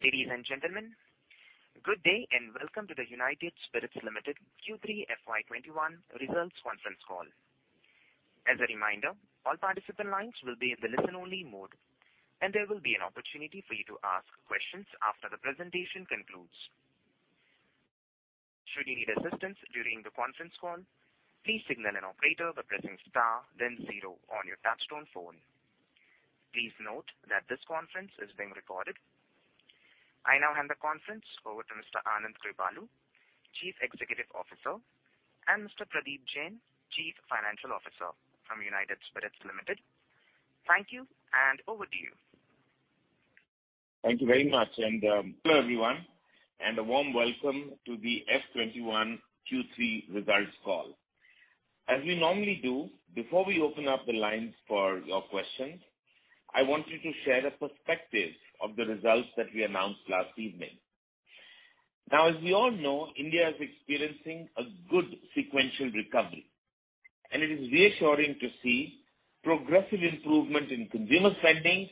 Ladies and gentlemen, good day and welcome to the United Spirits Limited Q3 FY 2021 results conference call. As a reminder, all participant lines will be in the listen-only mode, and there will be an opportunity for you to ask questions after the presentation concludes. Should you need assistance during the conference call, please signal an operator by pressing star, then zero on your touch-tone phone. Please note that this conference is being recorded. I now hand the conference over to Mr. Anand Kripalu, Chief Executive Officer, and Mr. Pradeep Jain, Chief Financial Officer from United Spirits Limited. Thank you, and over to you. Thank you very much, and hello everyone, and a warm welcome to the FY 2021 Q3 results call. As we normally do, before we open up the lines for your questions, I wanted to share a perspective of the results that we announced last evening. Now, as we all know, India is experiencing a good sequential recovery, and it is reassuring to see progressive improvement in consumer spending,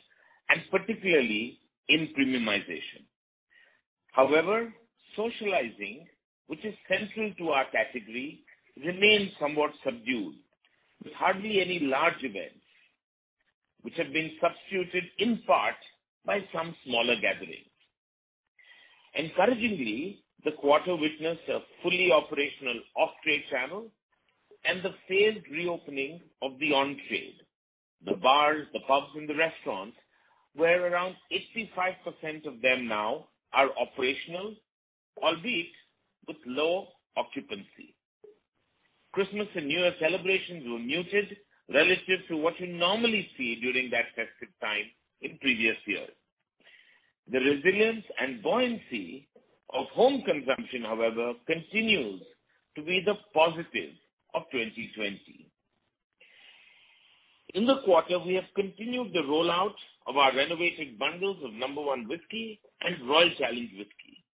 and particularly in premiumization. However, socializing, which is central to our category, remains somewhat subdued, with hardly any large events, which have been substituted in part by some smaller gatherings. Encouragingly, the quarter witnessed a fully operational off-trade channel and the phased reopening of the on-trade. The bars, the pubs, and the restaurants, where around 85% of them now are operational, albeit with low occupancy. Christmas and New Year celebrations were muted relative to what you normally see during that festive time in previous years. The resilience and buoyancy of home consumption, however, continues to be the positive of 2020. In the quarter, we have continued the rollout of our renovated bundles of No.1 whisky and Royal Challenge whisky,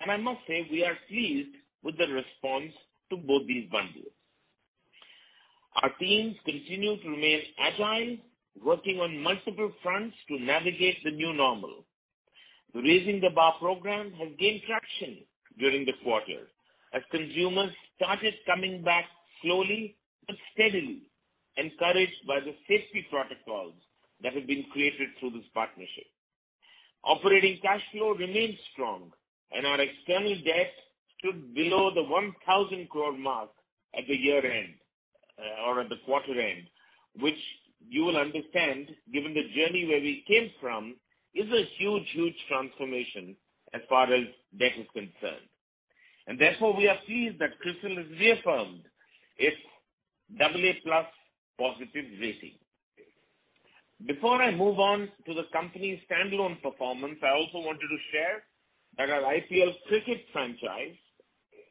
and I must say we are pleased with the response to both these bundles. Our teams continue to remain agile, working on multiple fronts to navigate the new normal. The Raising the Bar program has gained traction during the quarter as consumers started coming back slowly but steadily, encouraged by the safety protocols that have been created through this partnership. Operating cash flow remains strong, and our external debt stood below the 1,000 crore mark at the year-end or at the quarter-end, which you will understand, given the journey where we came from, is a huge, huge transformation as far as debt is concerned. And therefore, we are pleased that CRISIL has reaffirmed its AA+ Positive rating. Before I move on to the company's standalone performance, I also wanted to share that our IPL cricket franchise,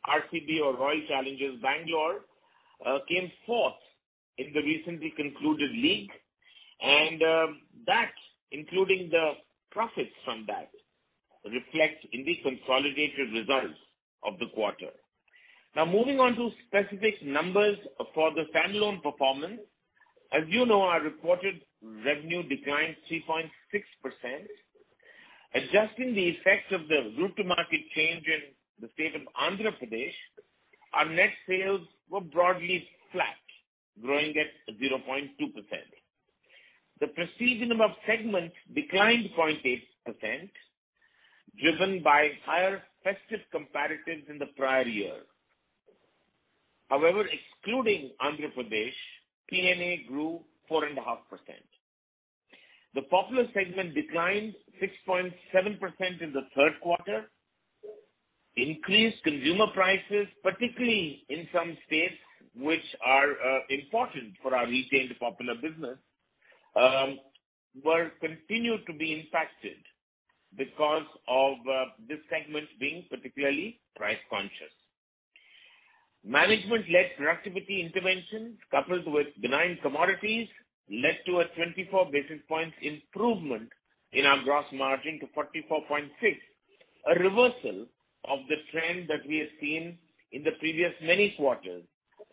RCB or Royal Challengers Bangalore, came fourth in the recently concluded league, and that, including the profits from that, reflects in the consolidated results of the quarter. Now, moving on to specific numbers for the standalone performance, as you know, our reported revenue declined 3.6%. Adjusting the effect of the route-to-market change in the state of Andhra Pradesh, our net sales were broadly flat, growing at 0.2%. The Prestige & Above segments declined 0.8%, driven by higher festive comparatives in the prior year. However, excluding Andhra Pradesh, P&A grew 4.5%. The Popular segment declined 6.7% in the third quarter. Increased consumer prices, particularly in some states which are important for our retained Popular business, were continued to be impacted because of this segment being particularly price-conscious. Management-led productivity interventions, coupled with benign commodities, led to a 24 basis points improvement in our gross margin to 44.6%, a reversal of the trend that we had seen in the previous many quarters,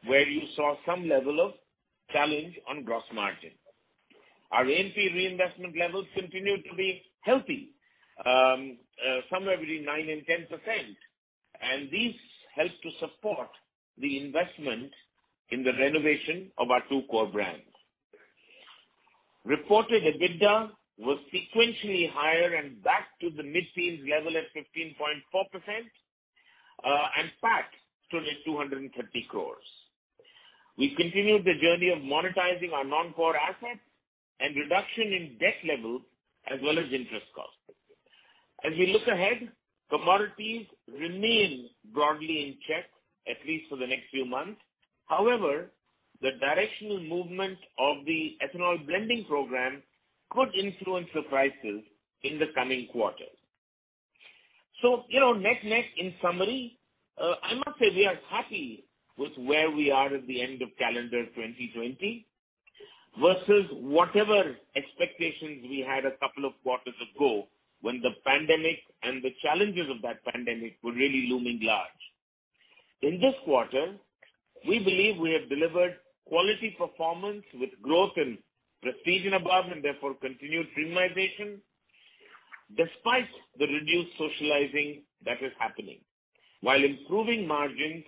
where you saw some level of challenge on gross margin. Our A&P reinvestment levels continued to be healthy, somewhere between 9% and 10%, and these helped to support the investment in the renovation of our two core brands. Reported EBITDA was sequentially higher and back to the mid-teens level at 15.4%, and PAT stood at 230 crore. We continued the journey of monetizing our non-core assets and reduction in debt levels as well as interest costs. As we look ahead, commodities remain broadly in check, at least for the next few months. However, the directional movement of the Ethanol Blending Programme could influence the prices in the coming quarter. So, net-net, in summary, I must say we are happy with where we are at the end of calendar 2020 versus whatever expectations we had a couple of quarters ago when the pandemic and the challenges of that pandemic were really looming large. In this quarter, we believe we have delivered quality performance with growth and Prestige & Above, and therefore continued premiumization, despite the reduced socializing that is happening, while improving margins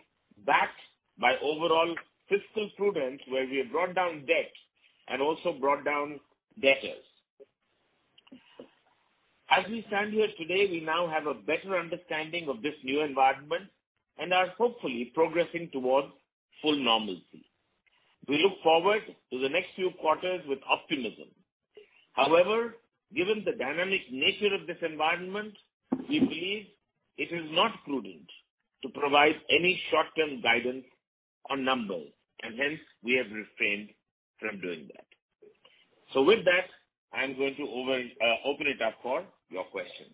backed by overall fiscal prudence, where we have brought down debt and also brought down debtors. As we stand here today, we now have a better understanding of this new environment and are hopefully progressing towards full normalcy. We look forward to the next few quarters with optimism. However, given the dynamic nature of this environment, we believe it is not prudent to provide any short-term guidance on numbers, and hence we have refrained from doing that. So, with that, I'm going to open it up for your questions.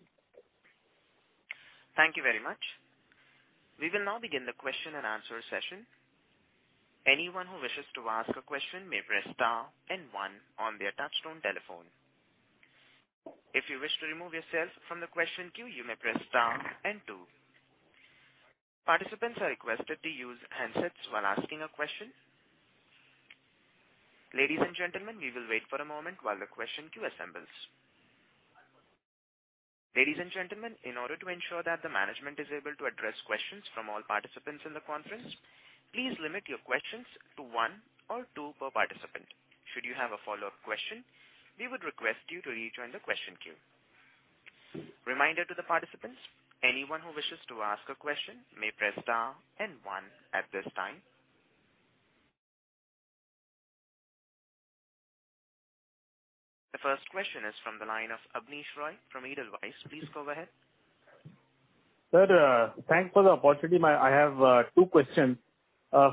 Thank you very much. We will now begin the question and answer session. Anyone who wishes to ask a question may press star and one on their touch-tone telephone. If you wish to remove yourself from the question queue, you may press star and two. Participants are requested to use handsets while asking a question. Ladies and gentlemen, we will wait for a moment while the question queue assembles. Ladies and gentlemen, in order to ensure that the management is able to address questions from all participants in the conference, please limit your questions to one or two per participant. Should you have a follow-up question, we would request you to rejoin the question queue. Reminder to the participants, anyone who wishes to ask a question may press star and one at this time. The first question is from the line of Abneesh Roy from Edelweiss. Please go ahead. Sir, thanks for the opportunity. I have two questions.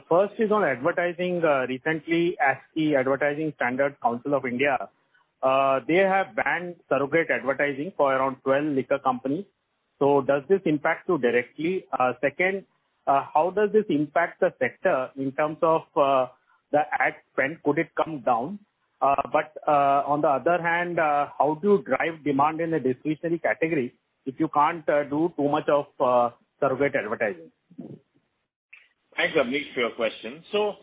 First is on advertising. Recently, ASCI Advertising Standards Council of India, they have banned surrogate advertising for around 12 liquor companies. So, does this impact you directly? Second, how does this impact the sector in terms of the ad spend? Could it come down? But on the other hand, how do you drive demand in the discretionary category if you can't do too much of surrogate advertising? Thanks, Abneesh, for your question. So,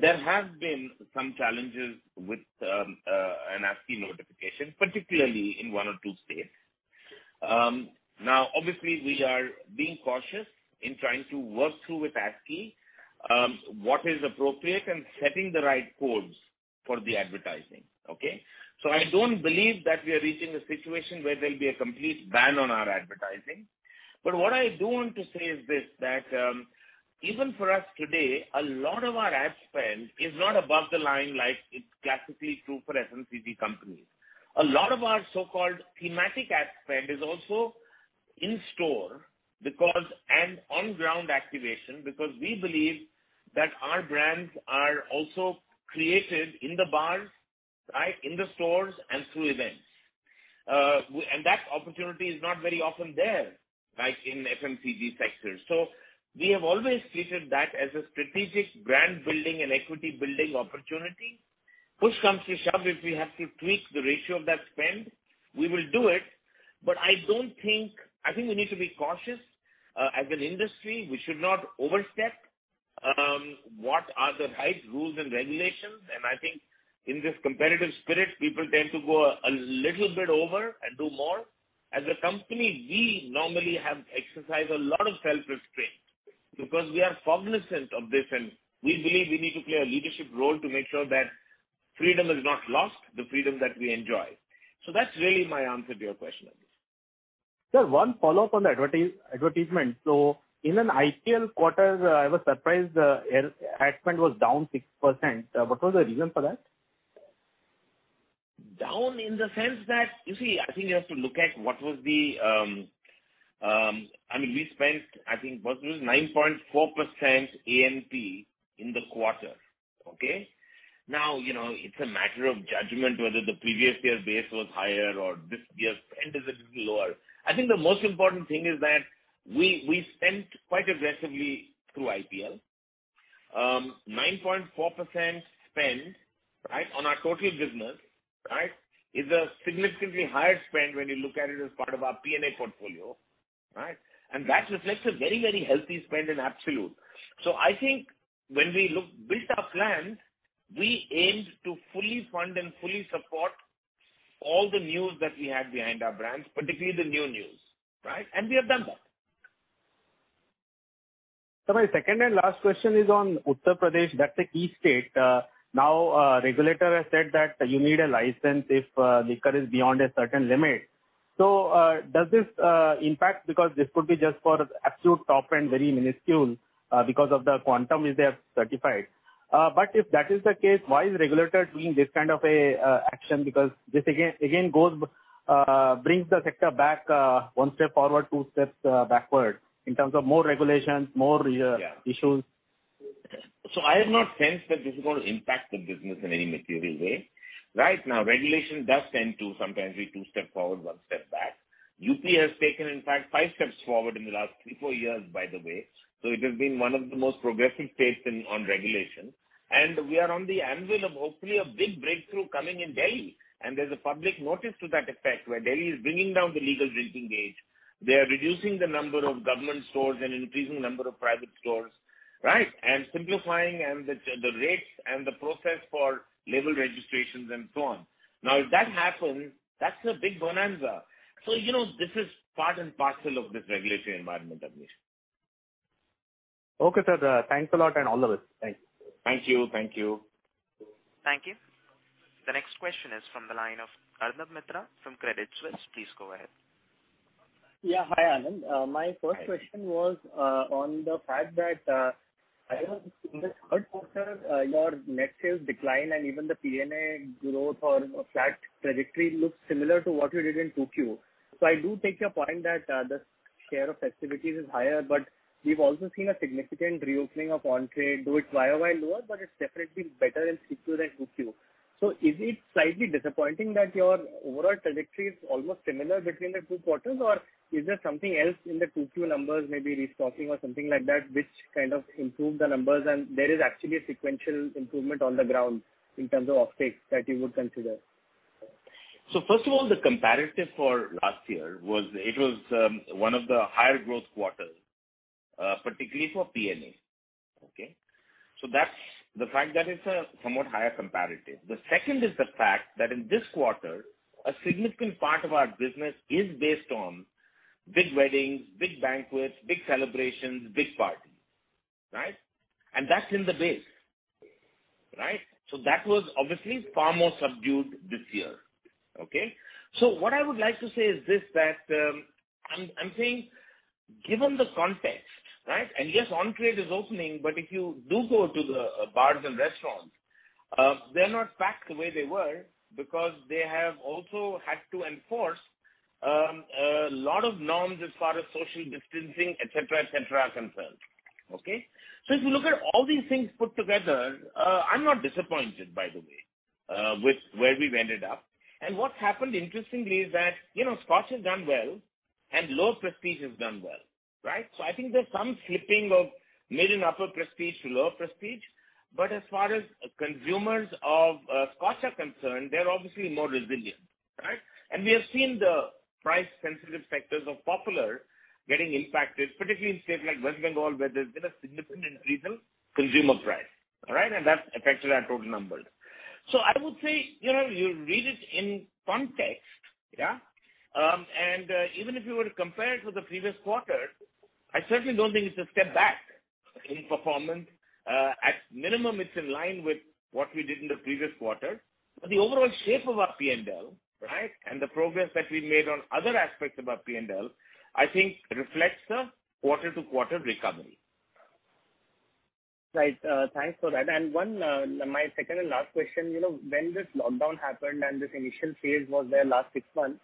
there have been some challenges with ASCI notification, particularly in one or two states. Now, obviously, we are being cautious in trying to work through with ASCI what is appropriate and setting the right codes for the advertising. Okay? So, I don't believe that we are reaching a situation where there'll be a complete ban on our advertising. But what I do want to say is this: that even for us today, a lot of our ad spend is not above the line like it's classically true for FMCG companies. A lot of our so-called thematic ad spend is also in store and on-ground activation because we believe that our brands are also created in the bars, right, in the stores and through events. And that opportunity is not very often there in the FMCG sector. So, we have always treated that as a strategic brand building and equity building opportunity. Push comes to shove, if we have to tweak the ratio of that spend, we will do it. But I don't think, I think we need to be cautious as an industry. We should not overstep what are the right rules and regulations. And I think in this competitive spirit, people tend to go a little bit over and do more. As a company, we normally have exercised a lot of self-restraint because we are cognizant of this, and we believe we need to play a leadership role to make sure that freedom is not lost, the freedom that we enjoy. So, that's really my answer to your question. Sir, one follow-up on the advertisement. So, in an IPL quarter, I was surprised the ad spend was down 6%. What was the reason for that? Down in the sense that, you see, I think you have to look at what was the, I mean, we spent, I think, it was 9.4% A&P in the quarter. Okay? Now, it's a matter of judgment whether the previous year's base was higher or this year's spend is a little lower. I think the most important thing is that we spent quite aggressively through IPL. 9.4% spend, right, on our total business, right, is a significantly higher spend when you look at it as part of our P&A portfolio, right? And that reflects a very, very healthy spend in absolute. So, I think when we built our plan, we aimed to fully fund and fully support all the news that we had behind our brands, particularly the new news, right? And we have done that. Sir, my second and last question is on Uttar Pradesh. That's a key state. Now, a regulator has said that you need a license if liquor is beyond a certain limit. So, does this impact because this could be just for absolute top and very minuscule because of the quantum they have certified? But if that is the case, why is the regulator doing this kind of action? Because this, again, goes, brings the sector back one step forward, two steps backward in terms of more regulations, more issues. So, I have not sensed that this is going to impact the business in any material way. Right now, regulation does tend to sometimes be two steps forward, one step back. UP has taken, in fact, five steps forward in the last three, four years, by the way. So, it has been one of the most progressive states on regulation. And we are on the anvil of hopefully a big breakthrough coming in Delhi. And there's a public notice to that effect where Delhi is bringing down the legal drinking age. They are reducing the number of government stores and increasing the number of private stores, right, and simplifying the rates and the process for label registrations and so on. Now, if that happens, that's a big bonanza. So, this is part and parcel of this regulatory environment, Abneesh. Okay, sir. Thanks a lot, and all the best. Thanks. Thank you. Thank you. Thank you. The next question is from the line of Arnab Mitra from Credit Suisse. Please go ahead. Yeah. Hi, Anand. My first question was on the fact that I have seen the third quarter, your net sales decline and even the P&A growth or flat trajectory looks similar to what you did in 2Q. So, I do take your point that the share of festivities is higher, but we've also seen a significant reopening of on-trade, though it's still way lower, but it's definitely better in 3Q than 2Q. So, is it slightly disappointing that your overall trajectory is almost similar between the two quarters, or is there something else in the 2Q numbers, maybe restocking or something like that, which kind of improved the numbers and there is actually a sequential improvement on the ground in terms of uptake that you would consider? So, first of all, the comparative for last year was it was one of the higher growth quarters, particularly for P&A. Okay? So, that's the fact that it's a somewhat higher comparative. The second is the fact that in this quarter, a significant part of our business is based on big weddings, big banquets, big celebrations, big parties, right? And that's in the base, right? So, what I would like to say is this: that I'm saying, given the context, right, and yes, on-trade is opening, but if you do go to the bars and restaurants, they're not packed the way they were because they have also had to enforce a lot of norms as far as social distancing, etc., etc., are concerned. Okay? So, if you look at all these things put together, I'm not disappointed, by the way, with where we've ended up. And what's happened, interestingly, is that Scotch has done well and lower Prestige has done well, right? So, I think there's some slipping of mid and upper Prestige to lower Prestige. But as far as consumers of Scotch are concerned, they're obviously more resilient, right? And we have seen the price-sensitive sectors of popular getting impacted, particularly in states like West Bengal, where there's been a significant increase in consumer price, all right? And that's affected our total numbers. So, I would say you read it in context, yeah? And even if you were to compare it with the previous quarter, I certainly don't think it's a step back in performance. At minimum, it's in line with what we did in the previous quarter. But the overall shape of our P&L, right, and the progress that we made on other aspects of our P&L, I think reflects the quarter-to-quarter recovery. Right. Thanks for that. And my second and last question, when this lockdown happened and this initial phase was there last six months,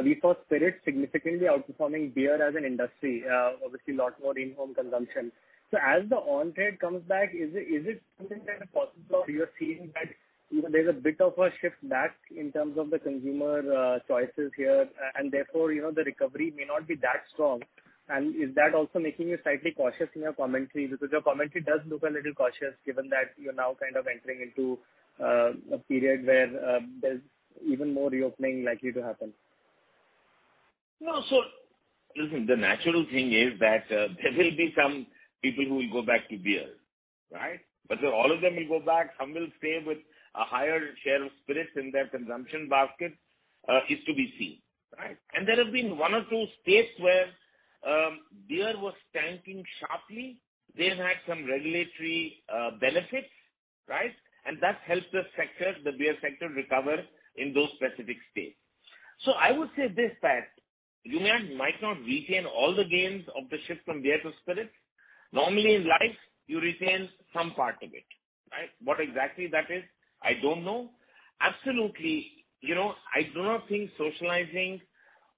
we saw spirits significantly outperforming beer as an industry, obviously a lot more in-home consumption. So, as the on-trade comes back, is it something that is possible? Are you seeing that there's a bit of a shift back in terms of the consumer choices here? And therefore, the recovery may not be that strong. And is that also making you slightly cautious in your commentary? Because your commentary does look a little cautious given that you're now kind of entering into a period where there's even more reopening likely to happen. No. So, listen, the natural thing is that there will be some people who will go back to beer, right? But all of them will go back. Some will stay with a higher share of spirit in their consumption basket. It's to be seen, right? And there have been one or two states where beer was tanking sharply. They've had some regulatory benefits, right? And that helped the beer sector recover in those specific states. So, I would say this: that you might not retain all the gains of the shift from beer to spirit. Normally, in life, you retain some part of it, right? What exactly that is, I don't know. Absolutely, I do not think socializing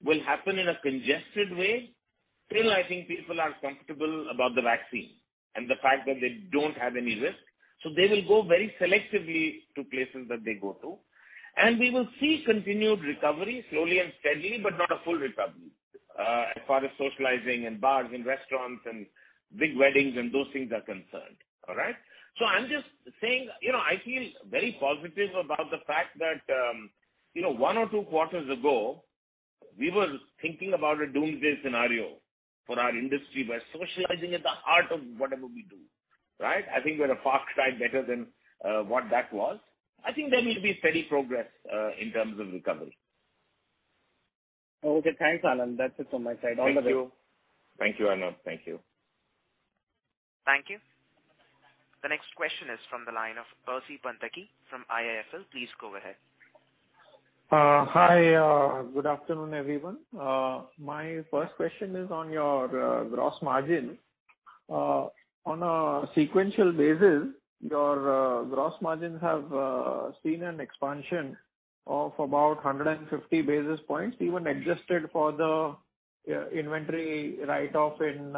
will happen in a congested way till I think people are comfortable about the vaccine and the fact that they don't have any risk. So, they will go very selectively to places that they go to. And we will see continued recovery slowly and steadily, but not a full recovery as far as socializing and bars and restaurants and big weddings and those things are concerned, all right? So, I'm just saying I feel very positive about the fact that one or two quarters ago, we were thinking about a doomsday scenario for our industry because socializing at the heart of whatever we do, right? I think we're a lot better than what that was. I think there will be steady progress in terms of recovery. Okay. Thanks, Anand. That's it from my side. All the best. Thank you. Thank you, Arnav. Thank you. Thank you. The next question is from the line of Percy Panthaki from IIFL. Please go ahead. Hi. Good afternoon, everyone. My first question is on your gross margin. On a sequential basis, your gross margins have seen an expansion of about 150 basis points, even adjusted for the inventory write-off in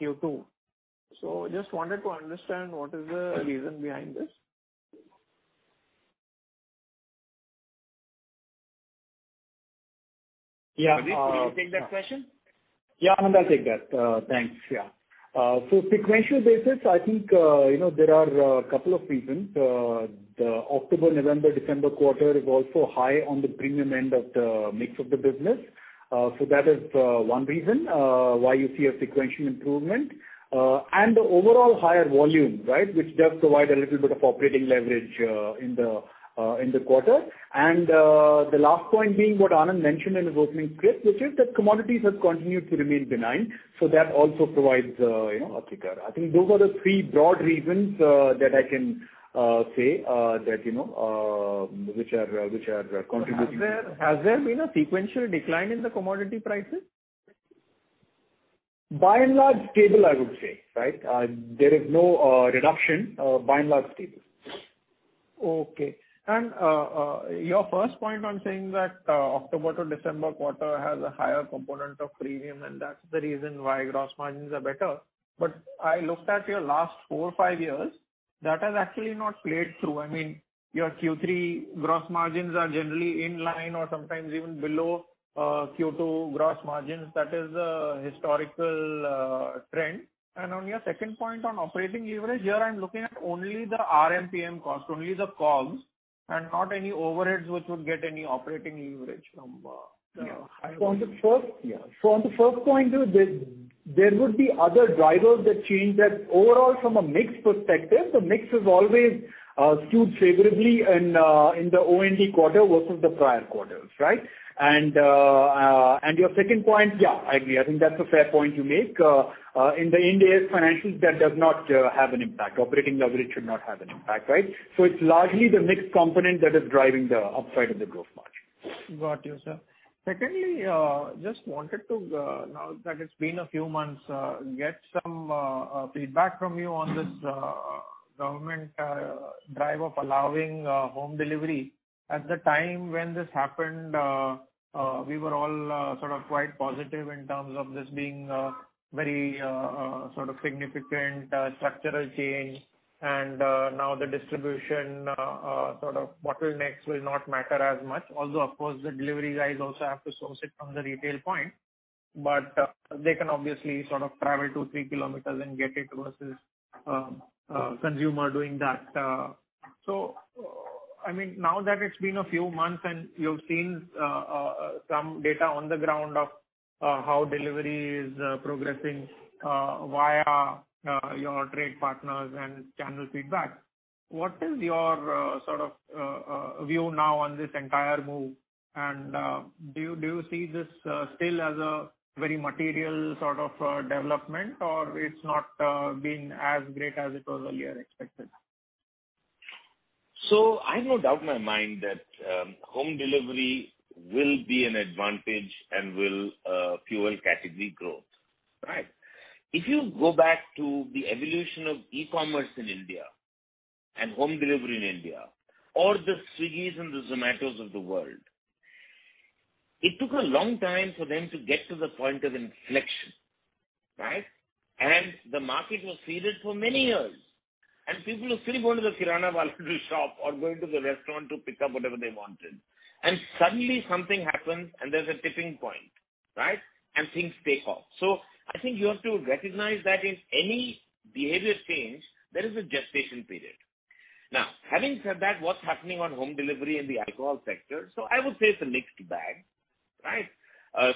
Q2. So, I just wanted to understand what is the reason behind this? Yeah. Do you take that question? Yeah, Arnav, I'll take that. Thanks. Yeah. So, sequential basis, I think there are a couple of reasons. The October, November, December quarter is also high on the premium end of the mix of the business. So, that is one reason why you see a sequential improvement. And the overall higher volume, right, which does provide a little bit of operating leverage in the quarter. And the last point being what Anand mentioned in his opening script, which is that commodities have continued to remain benign. So, that also provides a kicker. I think those are the three broad reasons that I can say that which are contributing. Has there been a sequential decline in the commodity prices? By and large, stable, I would say, right? There is no reduction. By and large, stable. Okay. And your first point on saying that October to December quarter has a higher component of premium, and that's the reason why gross margins are better. But I looked at your last four or five years. That has actually not played through. I mean, your Q3 gross margins are generally in line or sometimes even below Q2 gross margins. That is a historical trend. And on your second point on operating leverage, here, I'm looking at only the RMPM cost, only the COGS, and not any overheads which would get any operating leverage from higher margins. So, on the first point, there would be other drivers that change that overall from a mix perspective. The mix has always skewed favorably in the OND quarter versus the prior quarters, right? And your second point, yeah, I agree. I think that's a fair point you make. In the end, financials do not have an impact. Operating leverage should not have an impact, right? So, it's largely the mixed component that is driving the upside of the gross margin. Got you, sir. Secondly, just wanted to, now that it's been a few months, get some feedback from you on this government drive of allowing home delivery. At the time when this happened, we were all sort of quite positive in terms of this being a very sort of significant structural change, and now the distribution sort of bottlenecks will not matter as much. Although, of course, the delivery guys also have to source it from the retail point but they can obviously sort of travel two, three kilometers and get it versus a consumer doing that, so, I mean, now that it's been a few months and you've seen some data on the ground of how delivery is progressing via your trade partners and channel feedback, what is your sort of view now on this entire move? Do you see this still as a very material sort of development, or it's not been as great as it was earlier expected? So, I have no doubt in my mind that home delivery will be an advantage and will fuel category growth, right? If you go back to the evolution of e-commerce in India and home delivery in India or the Swiggy and the Zomato of the world, it took a long time for them to get to the point of inflection, right? And the market was seeded for many years. And people were still going to the Kirana [Balaji] shop or going to the restaurant to pick up whatever they wanted. And suddenly, something happens, and there's a tipping point, right? And things take off. So, I think you have to recognize that in any behavior change, there is a gestation period. Now, having said that, what's happening on home delivery in the alcohol sector? So, I would say it's a mixed bag, right?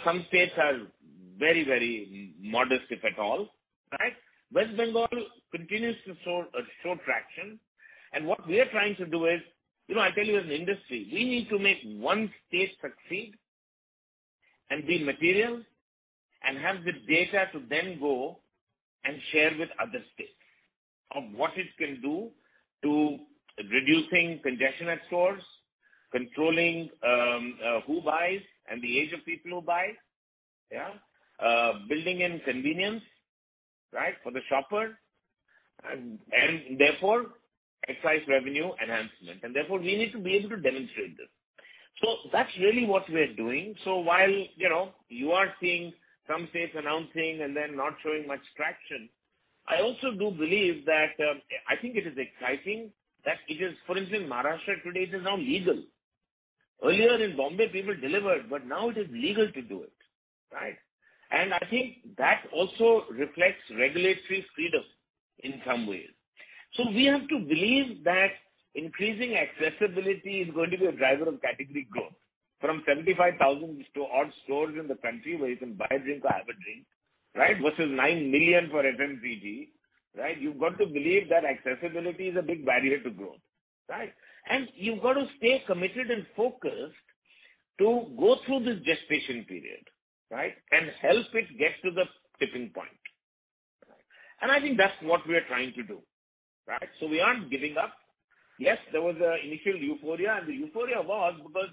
Some states are very, very modest, if at all, right? West Bengal continues to show traction. And what we are trying to do is, I tell you, as an industry, we need to make one state succeed and be material and have the data to then go and share with other states of what it can do to reducing congestion at stores, controlling who buys and the age of people who buy, yeah, building in convenience, right, for the shopper, and therefore, excise revenue enhancement. And therefore, we need to be able to demonstrate this. So, that's really what we're doing. So, while you are seeing some states announcing and then not showing much traction, I also do believe that I think it is exciting that it is, for instance, Maharashtra today, it is now legal. Earlier in Bombay, people delivered, but now it is legal to do it, right? I think that also reflects regulatory freedom in some ways. So, we have to believe that increasing accessibility is going to be a driver of category growth from 75,000-odd stores in the country where you can buy a drink or have a drink, right, versus 9 million for FMCG, right? You've got to believe that accessibility is a big barrier to growth, right? And you've got to stay committed and focused to go through this gestation period, right, and help it get to the tipping point. And I think that's what we are trying to do, right? So, we aren't giving up. Yes, there was an initial euphoria. And the euphoria was because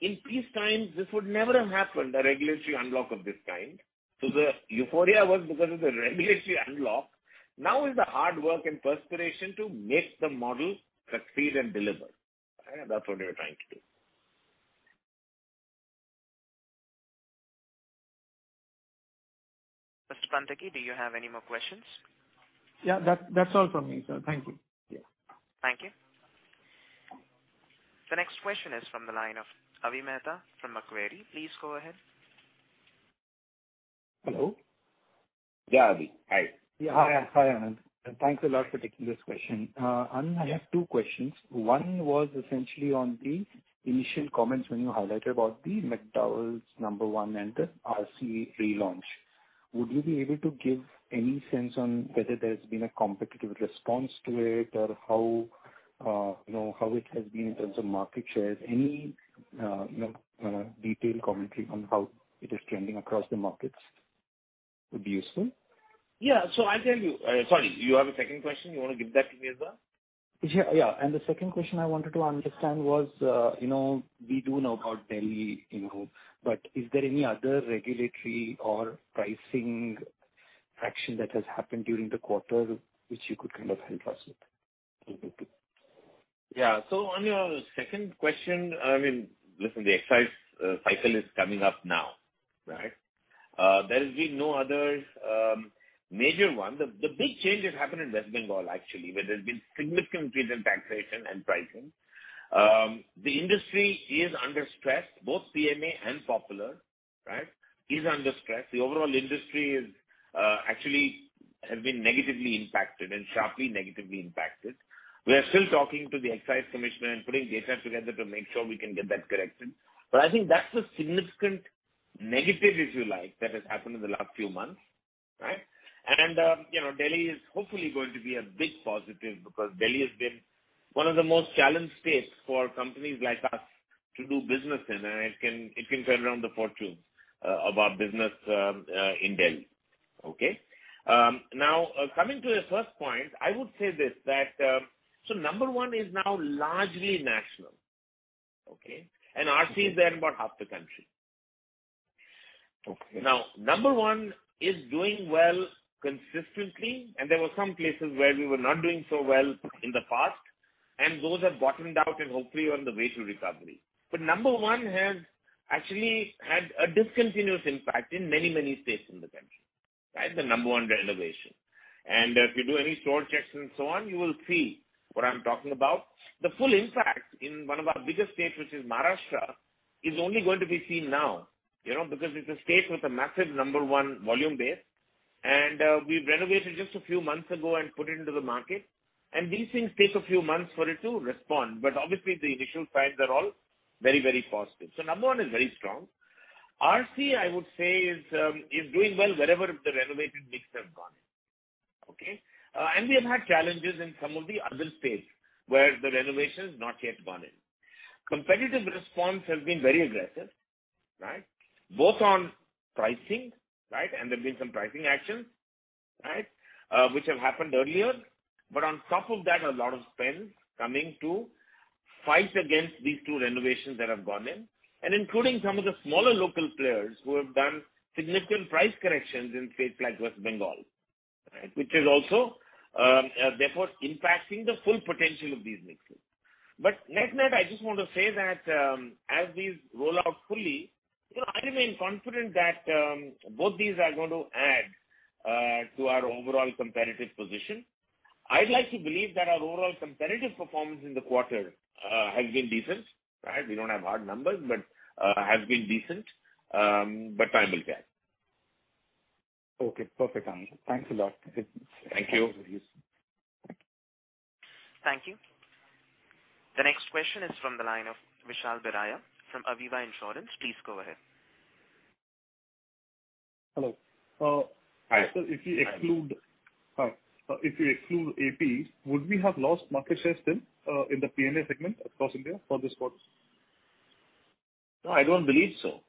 in peacetime, this would never have happened, a regulatory unlock of this kind. So, the euphoria was because of the regulatory unlock. Now is the hard work and perspiration to make the model succeed and deliver, right? And that's what we're trying to do. Mr. Panthaki, do you have any more questions? Yeah, that's all from me, sir. Thank you. Thank you. The next question is from the line of Avi Mehta from Macquarie. Please go ahead. Hello. Yeah, Avi. Hi. Yeah. Hi, Anand. Thanks a lot for taking this question. Anand, I have two questions. One was essentially on the initial comments when you highlighted about the McDowell's No. 1 and the RC relaunch. Would you be able to give any sense on whether there's been a competitive response to it or how it has been in terms of market shares? Any detailed commentary on how it is trending across the markets would be useful. Yeah. So, I'll tell you. Sorry, you have a second question? You want to give that to me as well? Yeah. And the second question I wanted to understand was we do know about Delhi, but is there any other regulatory or pricing action that has happened during the quarter which you could kind of help us with? Yeah. So, on your second question, I mean, listen, the excise cycle is coming up now, right? There has been no other major one. The big change has happened in West Bengal, actually, where there's been significant retail taxation and pricing. The industry is under stress. Both P&A and Popular, right, is under stress. The overall industry actually has been negatively impacted and sharply negatively impacted. We are still talking to the excise commissioner and putting data together to make sure we can get that corrected. But I think that's the significant negative, if you like, that has happened in the last few months, right? Delhi is hopefully going to be a big positive because Delhi has been one of the most challenged states for companies like us to do business in, and it can turn around the fortunes of our business in Delhi, okay? Now, coming to the first point, I would say this: that number one is now largely national, okay? And RCE is there in about half the country. Now, number one is doing well consistently, and there were some places where we were not doing so well in the past, and those have bottomed out, and hopefully, we're on the way to recovery. But number one has actually had a discontinuous impact in many, many states in the country, right? The number one renovation. And if you do any store checks and so on, you will see what I'm talking about. The full impact in one of our biggest states, which is Maharashtra, is only going to be seen now because it's a state with a massive No. 1 volume base. And we've renovated just a few months ago and put it into the market. These things take a few months for it to respond. Obviously, the initial signs are all very, very positive. Number one is very strong. RCE, I would say, is doing well wherever the renovated mix has gone, okay? We have had challenges in some of the other states where the renovation has not yet gone in. Competitive response has been very aggressive, right? Both on pricing, right? There have been some pricing actions, right, which have happened earlier. On top of that, a lot of spend coming to fight against these two renovations that have gone in, and including some of the smaller local players who have done significant price corrections in states like West Bengal, right, which is also therefore impacting the full potential of these mixes. But net-net, I just want to say that as these roll out fully, I remain confident that both these are going to add to our overall competitive position. I'd like to believe that our overall competitive performance in the quarter has been decent, right? We don't have hard numbers, but has been decent. But time will tell. Okay. Perfect, Anand. Thanks a lot. Thank you. Thank you. The next question is from the line of Vishal Biraia from Aviva Insurance. Please go ahead. Hello. So. Hi. If you exclude AP, would we have lost market share still in the P&A segment across India for this quarter? No, I don't believe so.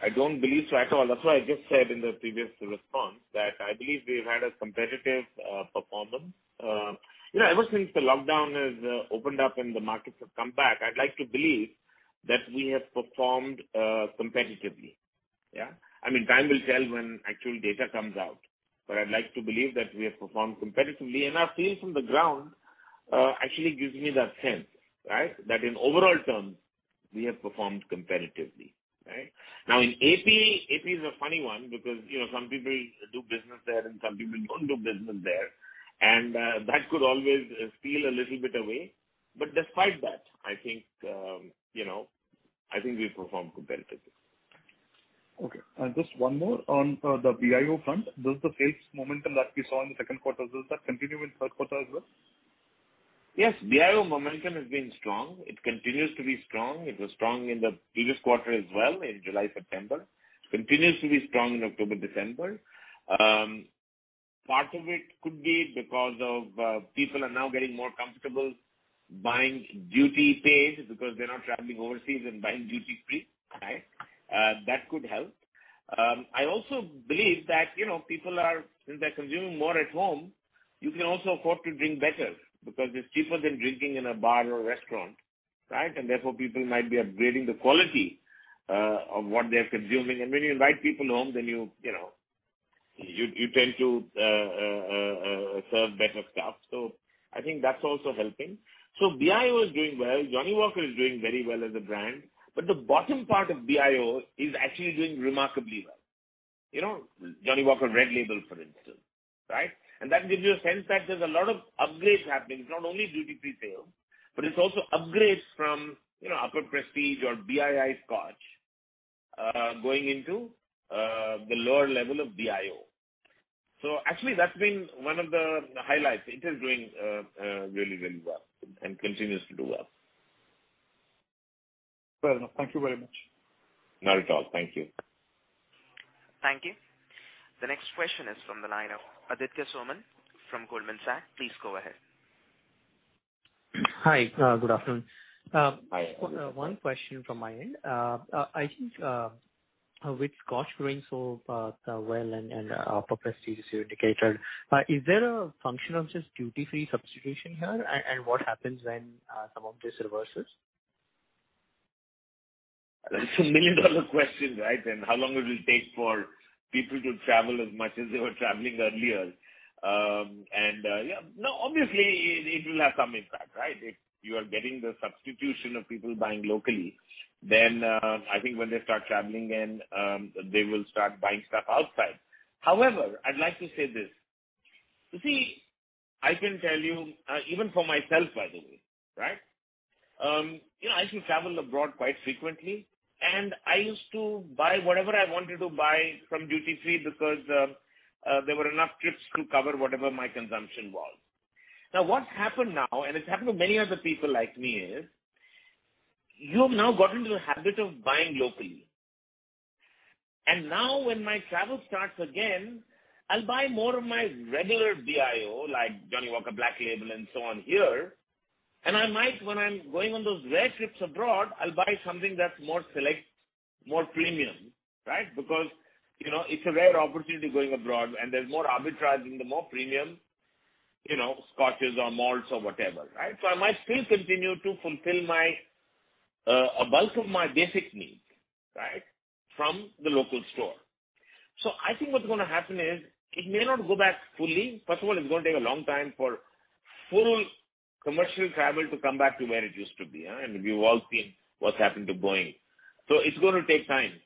I don't believe so at all. That's why I just said in the previous response that I believe we've had a competitive performance. Yeah, I was saying if the lockdown has opened up and the markets have come back, I'd like to believe that we have performed competitively, yeah? I mean, time will tell when actual data comes out. But I'd like to believe that we have performed competitively. And I feel from the ground, actually gives me that sense, right, that in overall terms, we have performed competitively, right? Now, in AP, AP is a funny one because some people do business there, and some people don't do business there. And that could always steal a little bit away. But despite that, I think we performed competitively. Okay. And just one more on the BIO front. Does the sales momentum that we saw in the second quarter, does that continue in third quarter as well? Yes. BIO momentum has been strong. It continues to be strong. It was strong in the previous quarter as well in July, September. Continues to be strong in October, December. Part of it could be because of people are now getting more comfortable buying duty paid because they're not traveling overseas and buying duty-free, right? That could help. I also believe that people are, since they're consuming more at home, you can also afford to drink better because it's cheaper than drinking in a bar or a restaurant, right? And therefore, people might be upgrading the quality of what they're consuming. And when you invite people home, then you tend to serve better stuff. So, I think that's also helping. So, BIO is doing well. Johnnie Walker is doing very well as a brand. But the bottom part of BIO is actually doing remarkably well. Johnnie Walker Red Label, for instance, right? And that gives you a sense that there's a lot of upgrades happening. It's not only duty-free sales, but it's also upgrades from upper Prestige or BII Scotch going into the lower level of BIO. So, actually, that's been one of the highlights. It is doing really, really well and continues to do well. Fair enough. Thank you very much. Not at all. Thank you. Thank you. The next question is from the line of Aditya Soman from Goldman Sachs. Please go ahead. Hi. Good afternoon. Hi. One question from my end. I think with Scotch doing so well and upper Prestige as you indicated, is there a function of just duty-free substitution here? And what happens when some of this reverses? That's a million-dollar question, right? And how long will it take for people to travel as much as they were traveling earlier? And yeah, no, obviously, it will have some impact, right? If you are getting the substitution of people buying locally, then I think when they start traveling in, they will start buying stuff outside. However, I'd like to say this. You see, I can tell you, even for myself, by the way, right? I used to travel abroad quite frequently, and I used to buy whatever I wanted to buy from duty-free because there were enough trips to cover whatever my consumption was. Now, what's happened now, and it's happened to many other people like me, is you have now gotten into the habit of buying locally. Now when my travel starts again, I'll buy more of my regular BIO, like Johnnie Walker Black Label and so on here. I might, when I'm going on those rare trips abroad, I'll buy something that's more select, more premium, right? Because it's a rare opportunity going abroad, and there's more arbitrage, and the more premium scotches or malt or whatever, right? So I might still continue to fulfill my, a bulk of my basic needs from the local store. I think what's going to happen is it may not go back fully. First of all, it's going to take a long time for full commercial travel to come back to where it used to be. We've all seen what's happened to Boeing. It's going to take time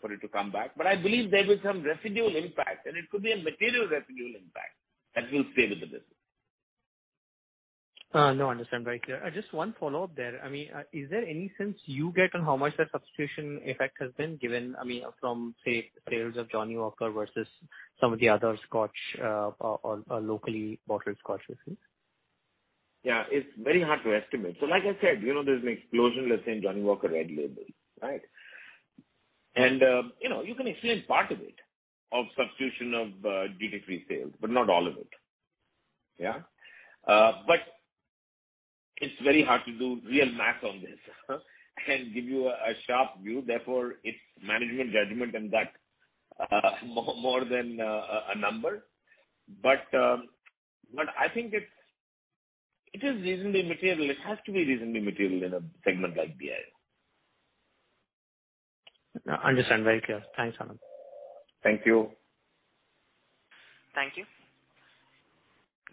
for it to come back. I believe there will be some residual impact, and it could be a material residual impact that will stay with the business. No, I understand very clear. Just one follow-up there. I mean, is there any sense you get on how much that substitution effect has been given, I mean, from, say, sales of Johnnie Walker versus some of the other Scotch or locally bottled Scotch whisky? Yeah. It's very hard to estimate. So, like I said, there's an explosion, let's say, in Johnnie Walker Red Label, right? And you can explain part of it of substitution of duty-free sales, but not all of it, yeah? But it's very hard to do real math on this and give you a sharp view. Therefore, it's management judgment and that more than a number. But I think it is reasonably material. It has to be reasonably material in a segment like BIO. Understand very clear. Thanks, Anand. Thank you. Thank you.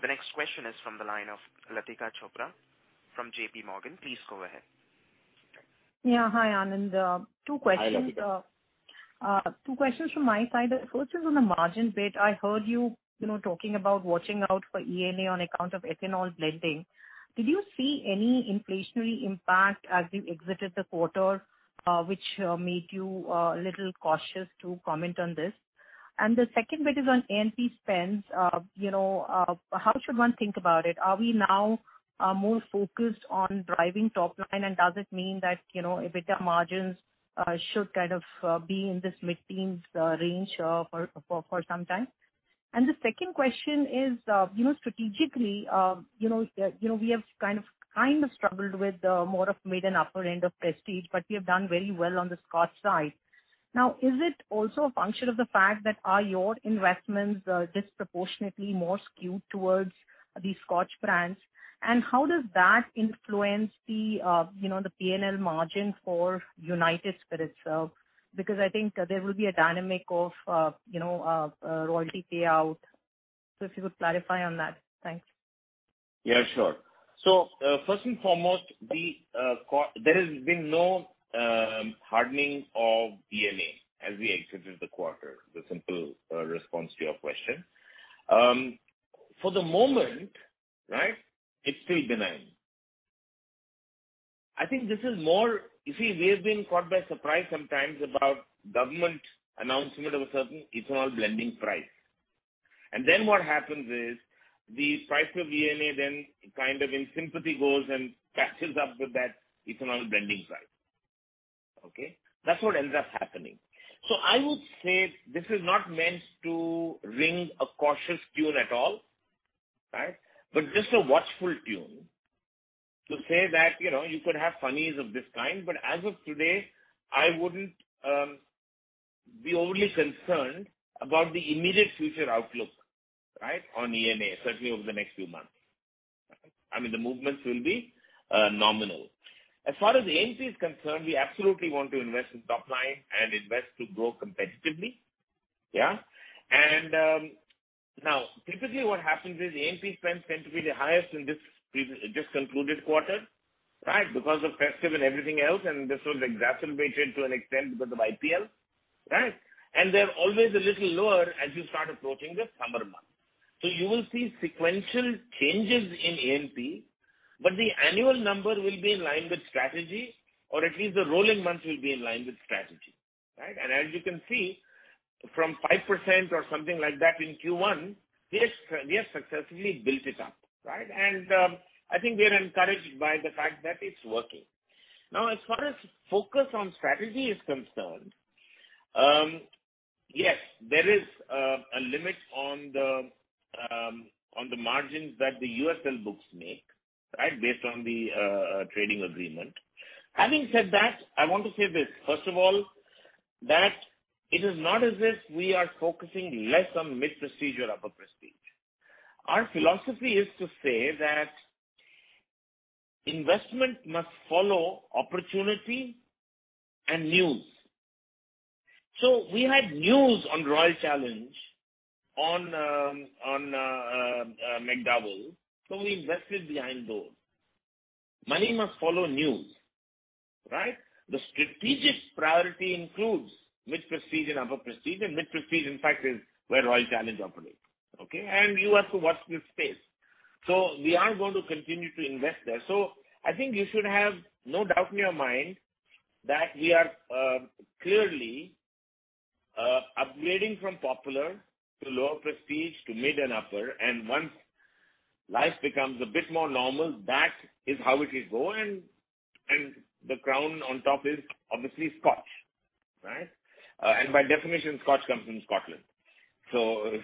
The next question is from the line of Latika Chopra from JPMorgan. Please go ahead. Yeah. Hi, Anand. Two questions. Hi, Latika. Two questions from my side. The first is on the margin bit. I heard you talking about watching out for ENA on account of ethanol blending. Did you see any inflationary impact as you exited the quarter, which made you a little cautious to comment on this? And the second bit is on A&P spends. How should one think about it? Are we now more focused on driving top line, and does it mean that EBITDA margins should kind of be in this mid-teens range for some time? And the second question is, strategically, we have kind of struggled with more of mid and upper end of Prestige, but we have done very well on the Scotch side. Now, is it also a function of the fact that are your investments disproportionately more skewed towards these Scotch brands? And how does that influence the P&L margin for United Spirits? Because I think there will be a dynamic of royalty payout. So, if you could clarify on that? Thanks. Yeah, sure. So, first and foremost, there has been no hardening of ENA as we exited the quarter, the simple response to your question. For the moment, right, it's still benign. I think this is more you see, we have been caught by surprise sometimes about government announcement of a certain ethanol blending price. And then what happens is the price of ENA then kind of in sympathy goes and catches up with that ethanol blending price, okay? That's what ends up happening. So, I would say this is not meant to ring a cautious tune at all, right? But just a watchful tune to say that you could have funnies of this kind. But as of today, I wouldn't be overly concerned about the immediate future outlook, right, on ENA, certainly over the next few months. I mean, the movements will be nominal. As far as A&P is concerned, we absolutely want to invest in top line and invest to grow competitively, yeah? And now, typically, what happens is A&P spends tend to be the highest in this just concluded quarter, right, because of festive and everything else. And this was exacerbated to an extent because of IPL, right? And they're always a little lower as you start approaching the summer months. So, you will see sequential changes in A&P, but the annual number will be in line with strategy, or at least the rolling months will be in line with strategy, right? And as you can see, from 5% or something like that in Q1, we have successfully built it up, right? And I think we are encouraged by the fact that it's working. Now, as far as focus on strategy is concerned, yes, there is a limit on the margins that the USL books make, right, based on the trading agreement. Having said that, I want to say this. First of all, that it is not as if we are focusing less on mid-Prestige or upper Prestige. Our philosophy is to say that investment must follow opportunity and news, so we had news on Royal Challenge and McDowell's. So, we invested behind those. Money must follow news, right? The strategic priority includes mid-Prestige and upper Prestige, and mid-Prestige, in fact, is where Royal Challenge operates, okay, and you have to watch this space, so we are going to continue to invest there, so I think you should have no doubt in your mind that we are clearly upgrading from popular to lower Prestige to mid and upper. Once life becomes a bit more normal, that is how it will go. The crown on top is obviously Scotch, right? By definition, Scotch comes from Scotland.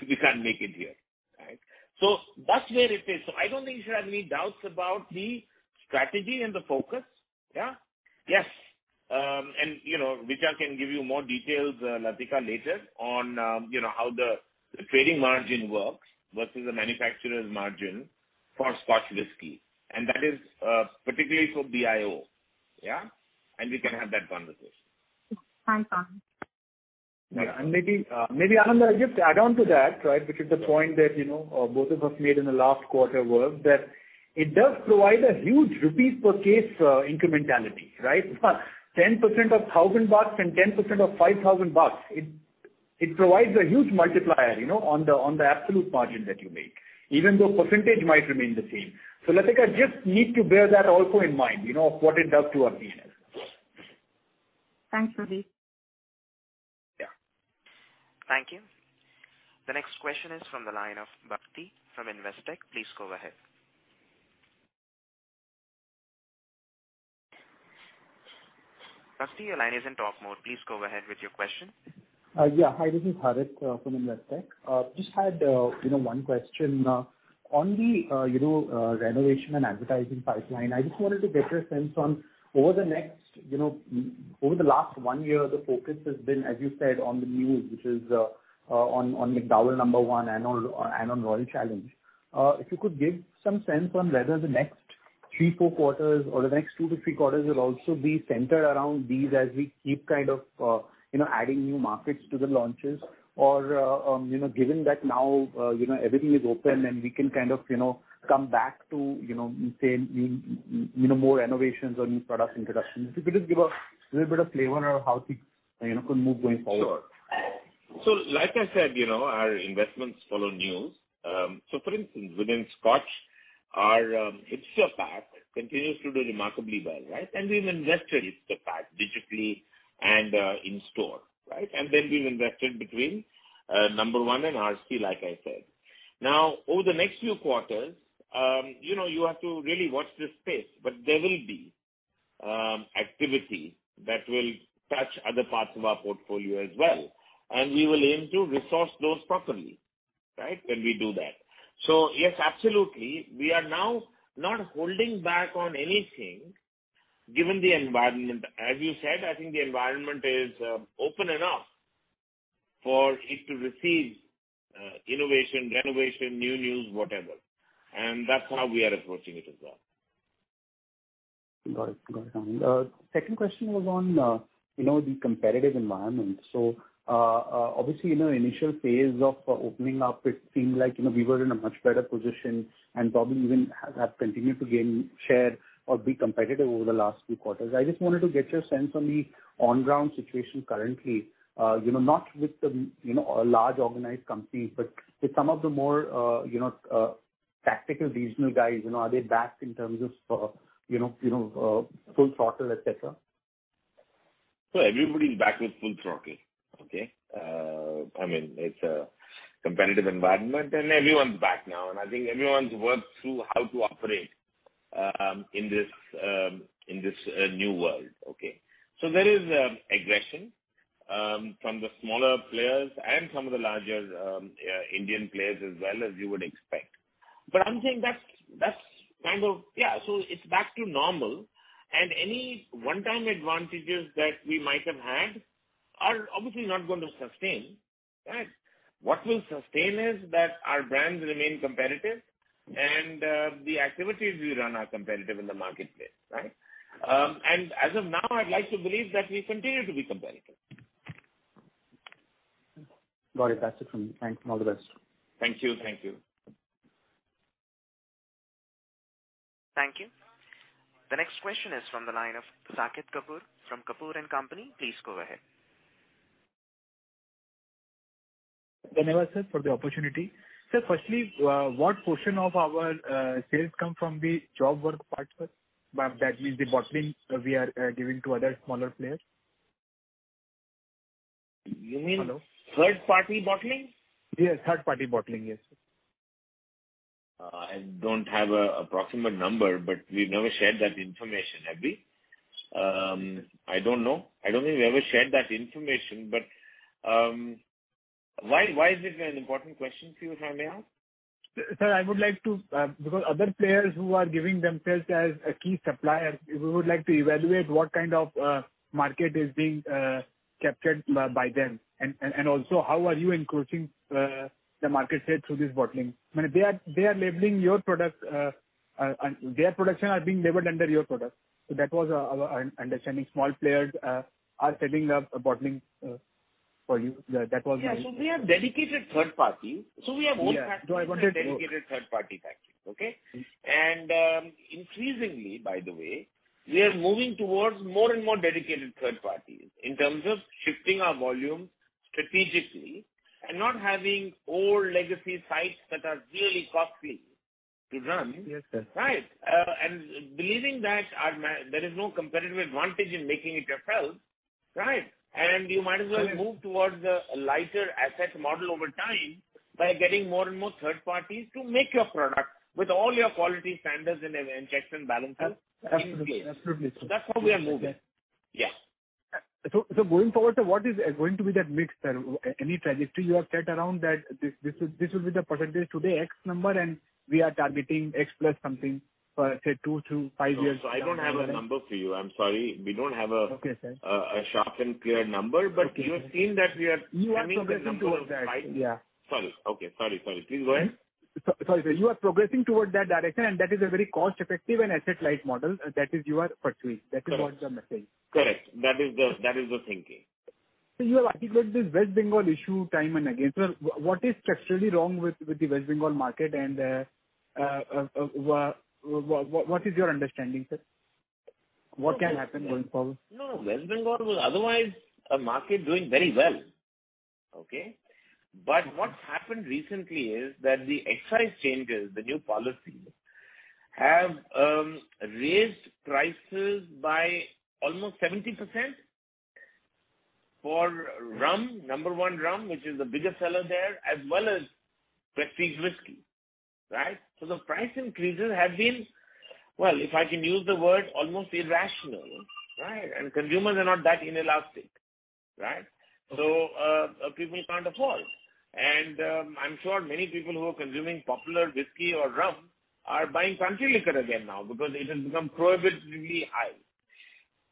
We can't make it here, right? That's where it is. I don't think you should have any doubts about the strategy and the focus, yeah? Yes. Vishal can give you more details, Latika, later on how the trading margin works versus the manufacturer's margin for Scotch whisky. That is particularly for BIO, yeah? We can have that conversation. Thanks, Anand. Yeah. And maybe, Anand, I'll just add on to that, right, which is the point that both of us made in the last quarter was that it does provide a huge repeat-per-case incrementality, right? 10% of $1,000 and 10% of $5,000. It provides a huge multiplier on the absolute margin that you make, even though percentage might remain the same. So, Latika, just need to bear that also in mind of what it does to our P&L. Thanks, Pradeep. Yeah. Thank you. The next question is from the line of Harit from Investec. Please go ahead. Harit, your line is in talk mode. Please go ahead with your question. Yeah. Hi, this is Harit from Investec. Just had one question. On the innovation and advertising pipeline, I just wanted to get your sense on, over the last one year, the focus has been, as you said, on the new, which is on McDowell's No. 1 and on Royal Challenge. If you could give some sense on whether the next three, four quarters or the next two to three quarters will also be centered around these as we keep kind of adding new markets to the launches or given that now everything is open and we can kind of come back to, say, more innovations or new product introductions. If you could just give a little bit of flavor on how things could move going forward. Sure. So, like I said, our investments follow news. So, for instance, within Scotch, our Hipster Pack continues to do remarkably well, right? And we've invested Hipster Pack digitally and in store, right? And then we've invested between number one and RC, like I said. Now, over the next few quarters, you have to really watch this space. But there will be activity that will touch other parts of our portfolio as well. And we will aim to resource those properly, right, when we do that. So, yes, absolutely. We are now not holding back on anything given the environment. As you said, I think the environment is open enough for it to receive innovation, renovation, new news, whatever. And that's how we are approaching it as well. Got it. Got it, Anand. Second question was on the competitive environment. So, obviously, in the initial phase of opening up, it seemed like we were in a much better position and probably even have continued to gain share or be competitive over the last few quarters. I just wanted to get your sense on the on-ground situation currently, not with the large organized companies, but with some of the more tactical regional guys. Are they back in terms of full throttle, etc.? So, everybody's back with full throttle, okay? I mean, it's a competitive environment, and everyone's back now. And I think everyone's worked through how to operate in this new world, okay? So, there is aggression from the smaller players and some of the larger Indian players as well, as you would expect. But I'm saying that's kind of, yeah, so it's back to normal. And any one-time advantages that we might have had are obviously not going to sustain, right? What will sustain is that our brands remain competitive, and the activities we run are competitive in the marketplace, right? And as of now, I'd like to believe that we continue to be competitive. Got it. That's it from me. Thanks. All the best. Thank you. Thank you. Thank you. The next question is from the line of Saket Kapoor from Kapoor & Co. Please go ahead. Thanks, Anand sir, for the opportunity. Sir, firstly, what portion of our sales come from the job work partners? That means the bottling we are giving to other smaller players? You mean third-party bottling? Yes, third-party bottling, yes. I don't have an approximate number, but we've never shared that information, have we? I don't know. I don't think we've ever shared that information. But why is it an important question for you, if I may ask? Sir, I would like to, because other players who are giving themselves as a key supplier, we would like to evaluate what kind of market is being captured by them. And also, how are you encroaching the market share through this bottling? I mean, they are labeling your products. Their productions are being labeled under your products. So that was our understanding. Small players are setting up bottling for you. That was my question. Yeah. So, we have dedicated third parties. So, we have all kinds of dedicated third-party factories, okay? And increasingly, by the way, we are moving towards more and more dedicated third parties in terms of shifting our volume strategically and not having old legacy sites that are really costly to run, right? And believing that there is no competitive advantage in making it yourself, right? And you might as well move towards a lighter asset model over time by getting more and more third parties to make your product with all your quality standards and checks and balances in place. Absolutely. Absolutely. That's how we are moving. Yeah. Moving forward, so what is going to be that mix? Any trajectory you have set around that this will be the percentage today, x number, and we are targeting x plus something for, say, two to five years? Sir, I don't have a number for you. I'm sorry. We don't have a sharp and clear number, but you have seen that we are coming to a number of five. You are progressing towards that. Sorry. Okay. Sorry. Sorry. Please go ahead. Sorry, sir. You are progressing towards that direction, and that is a very cost-effective and asset-light model that you are pursuing. That is what your message is. Correct. That is the thinking. Sir, you have articulated this West Bengal issue time and again. Sir, what is structurally wrong with the West Bengal market, and what is your understanding, sir? What can happen going forward? No, West Bengal was otherwise a market doing very well, okay, but what's happened recently is that the excise changes, the new policies, have raised prices by almost 70% for rum, number one rum, which is the biggest seller there, as well as prestige whisky, right, so the price increases have been, well, if I can use the word, almost irrational, right, and consumers are not that inelastic, right. So people can't afford, and I'm sure many people who are consuming popular whisky or rum are buying country liquor again now because it has become prohibitively high.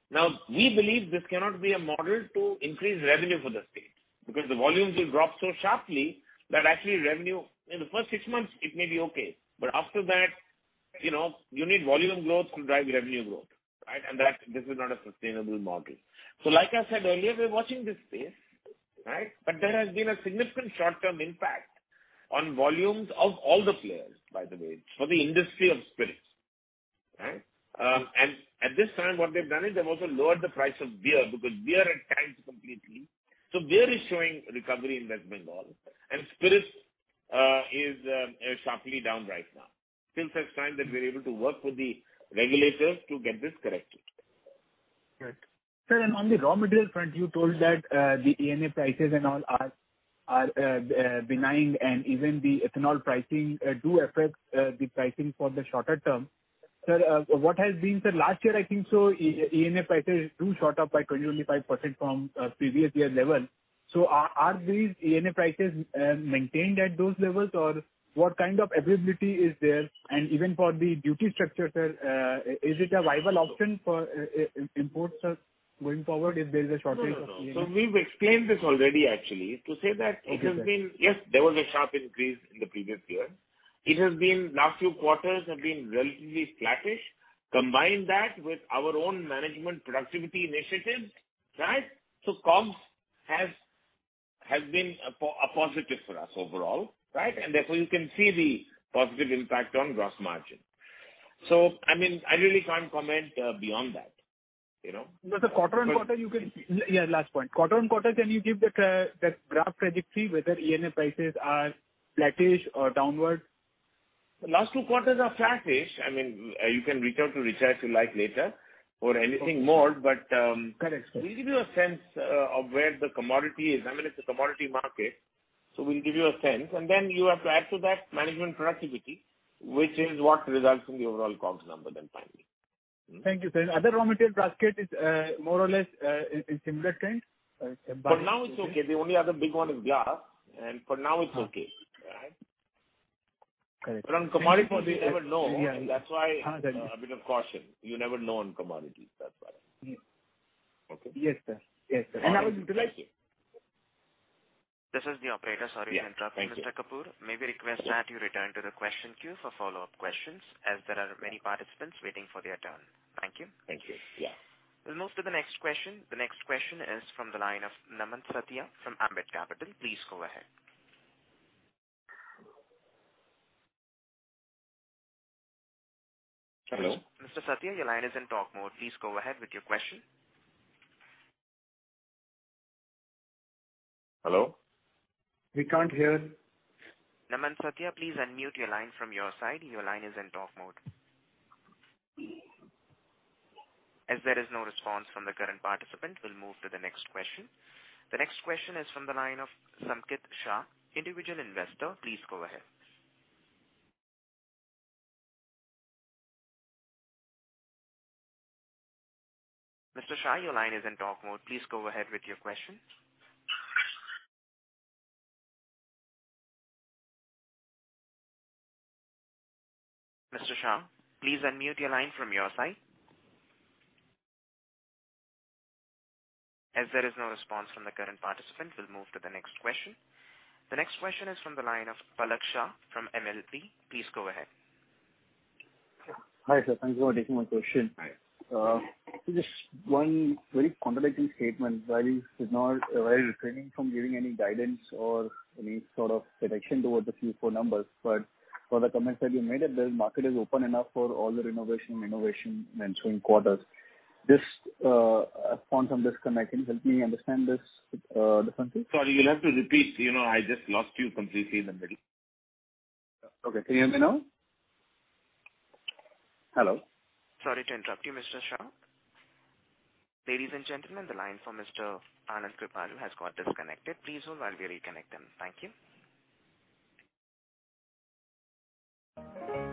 Now, we believe this cannot be a model to increase revenue for the state because the volumes will drop so sharply that actually revenue, in the first six months, it may be okay, but after that, you need volume growth to drive revenue growth, right, and this is not a sustainable model. Like I said earlier, we're watching this space, right? There has been a significant short-term impact on volumes of all the players, by the way, for the industry of spirits, right? At this time, what they've done is they've also lowered the price of beer because beer had tanked completely. Beer is showing recovery in West Bengal, and spirits is sharply down right now. Still, such time that we're able to work with the regulators to get this corrected. Right. Sir, and on the raw material front, you told that the ENA prices and all are benign, and even the ethanol pricing do affect the pricing for the shorter term. Sir, what has been? Sir, last year, I think so, ENA prices do shot up by 20%-25% from previous year level. So, are these ENA prices maintained at those levels, or what kind of availability is there? And even for the duty structure, sir, is it a viable option for imports, sir, going forward if there is a shortage of ENA? So, we've explained this already, actually, to say that it has been yes, there was a sharp increase in the previous year. It has been last few quarters have been relatively flattish. Combine that with our own management productivity initiatives, right? So, COGS has been a positive for us overall, right? And therefore, you can see the positive impact on gross margin. So, I mean, I really can't comment beyond that. Sir, quarter on quarter, last point. Quarter-on-quarter, can you give that graph trajectory whether ENA prices are flattish or downward? Last two quarters are flattish. I mean, you can reach out to Vishal if you like later or anything more. But we'll give you a sense of where the commodity is. I mean, it's a commodity market. So, we'll give you a sense. And then you have to add to that management productivity, which is what results in the overall COGS number then finally. Thank you, sir. Other raw material basket is more or less in similar trend? For now, it's okay. The only other big one is glass, and for now, it's okay, right? Correct. But on commodities, you never know. That's why a bit of caution. You never know on commodities. That's why. Yes. Okay? Yes, sir. Yes, sir. I will utilize it. This is the operator. Sorry to interrupt, Mr. Kapoor. May we request that you return to the question queue for follow-up questions as there are many participants waiting for their turn? Thank you. Thank you. Yeah. We'll move to the next question. The next question is from the line of Naman Satiya from Ambit Capital. Please go ahead. Hello? Mr. Satiya, your line is in talk mode. Please go ahead with your question. Hello? We can't hear. Naman Satiya, please unmute your line from your side. Your line is in talk mode. As there is no response from the current participant, we'll move to the next question. The next question is from the line of Samkit Shah, individual investor. Please go ahead. Mr. Shah, your line is in talk mode. Please go ahead with your question. Mr. Shah, please unmute your line from your side. As there is no response from the current participant, we'll move to the next question. The next question is from the line of Palak Shah from MLP. Please go ahead. Hi, sir. Thank you for taking my question. Just one very contradicting statement. While we're refraining from giving any guidance or any sort of prediction towards the Q4 numbers, but for the comments that you made that the market is open enough for all the renovation and innovation in the ensuing quarters. Just a point on this comment. Can you help me understand this differently? Sorry, you'll have to repeat. I just lost you completely in the middle. Okay. Can you hear me now? Hello? Sorry to interrupt you, Mr. Shah. Ladies and gentlemen, the line for Mr. Anand Kripalu has got disconnected. Please hold while we reconnect him. Thank you.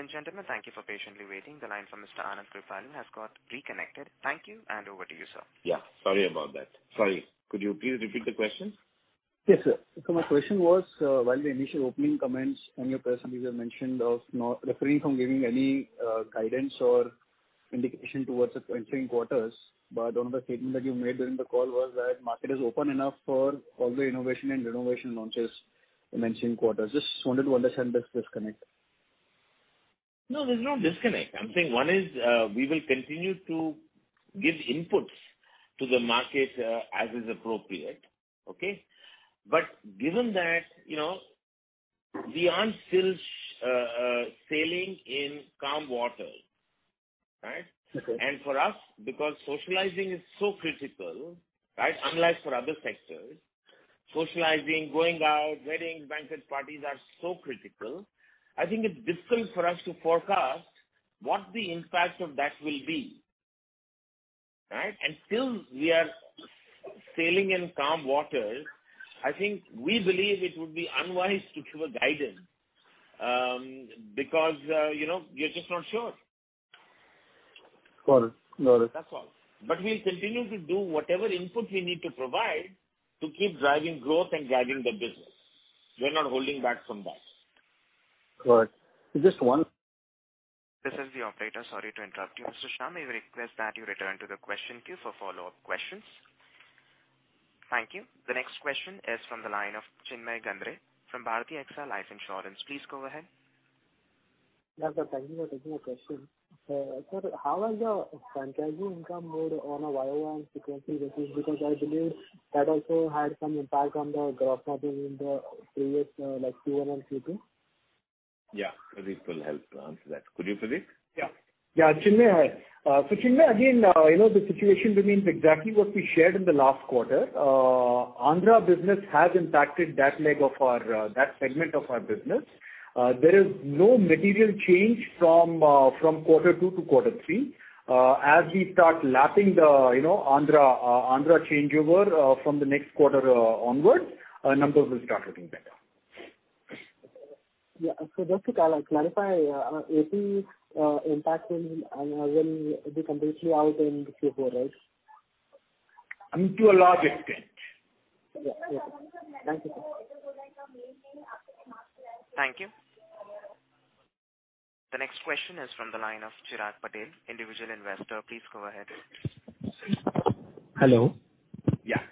Ladies and gentlemen, thank you for patiently waiting. The line for Mr. Anand Kripalu has got reconnected. Thank you. And over to you, sir. Yeah. Sorry about that. Sorry. Could you please repeat the question? Yes, sir. So my question was, while the initial opening comments and you personally mentioned not refraining from giving any guidance or indication towards the ensuing quarters, but one of the statements that you made during the call was that the market is open enough for all the innovation and renovation launches in the ensuing quarters. Just wanted to understand this disconnect. No, there's no disconnect. I'm saying one is we will continue to give inputs to the market as is appropriate, okay? But given that we aren't still sailing in calm waters, right? And for us, because socializing is so critical, right, unlike for other sectors, socializing, going out, weddings, banquet parties are so critical, I think it's difficult for us to forecast what the impact of that will be, right? And still, we are sailing in calm waters. I think we believe it would be unwise to give a guidance because you're just not sure. Got it. Got it. That's all. But we'll continue to do whatever input we need to provide to keep driving growth and driving the business. We're not holding back from that. Correct. Just one. This is the operator. Sorry to interrupt you, Mr. Shah. May we request that you return to the question queue for follow-up questions? Thank you. The next question is from the line of Chinmay Gandre from Bharti AXA Life Insurance. Please go ahead. Yeah, sir. Thank you for taking my question. Sir, how has your franchisee income moved on a YoY sequence? Because I believe that also had some impact on the gross margin in the previous Q1 and Q2. Yeah. Pradeep will help answer that. Could you, Pradeep? Yeah. Yeah. Chinmay, again, the situation remains exactly what we shared in the last quarter. Andhra business has impacted that leg of our that segment of our business. There is no material change from quarter two to quarter three. As we start lapping the Andhra changeover from the next quarter onward, numbers will start looking better. Yeah. So, just to clarify, is the impact will be completely out in Q4, right? To a large extent. Yeah. Okay. Thank you, sir. Thank you. The next question is from the line of Chirag Patel, individual investor. Please go ahead. Hello. Yeah.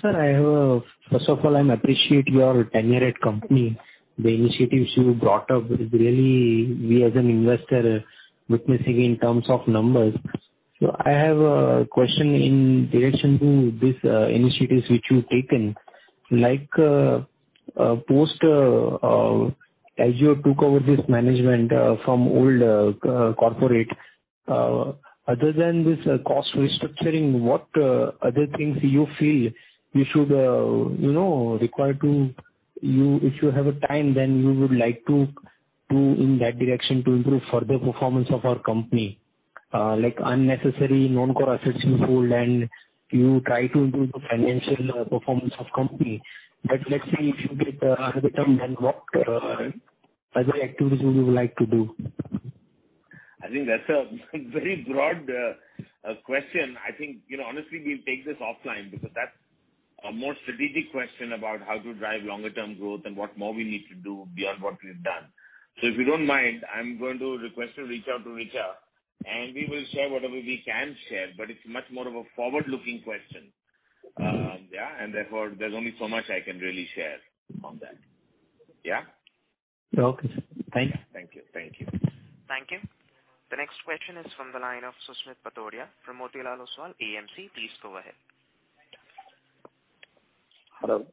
Sir, first of all, I appreciate your tenure at company. The initiatives you brought up is really we, as an investor, witnessing in terms of numbers. So, I have a question in relation to these initiatives which you've taken. Like post as you took over this management from old corporate, other than this cost restructuring, what other things you feel you should require to you if you have a time then you would like to do in that direction to improve further performance of our company? Like unnecessary non-core assets you hold and you try to improve the financial performance of company. But let's say if you get another term, then what other activities would you like to do? I think that's a very broad question. I think, honestly, we'll take this offline because that's a more strategic question about how to drive longer-term growth and what more we need to do beyond what we've done. So, if you don't mind, I'm going to request to reach out to Vishal, and we will share whatever we can share. But it's much more of a forward-looking question. Yeah, and therefore, there's only so much I can really share on that. Yeah. Okay. Thank you. Thank you. Thank you. Thank you. The next question is from the line of Susmit Patodia from Motilal Oswal AMC. Please go ahead. Hello.